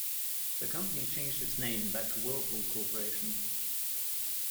The company changed its name back to Whirlpool Corporation.